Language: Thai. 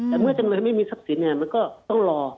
แต่เมื่อจำเลยไม่มีทรัพย์สินมันก็ต้องรอ